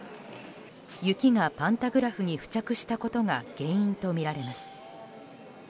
雪がパンタグラフに付着したことが原因とみられます。